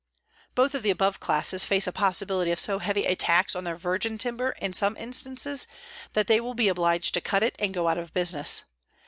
(Both of the above classes face a possibility of so heavy a tax on their virgin timber in some instances that they will be obliged to cut it and go out of business.